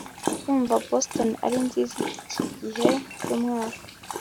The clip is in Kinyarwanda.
ndumva boston ari nziza iki gihe cyumwaka